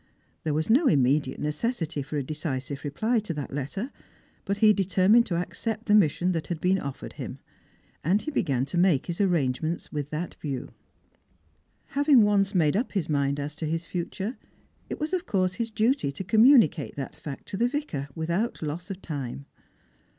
There was no immediate necessity for a decisive reply to that letter, but he determined to accept the mission that had been offered him ; and he began to make his arrangements with that view. Having once made up his mind as to his future, it was of course his duty to communicate that fact to the Vicar without loss of time.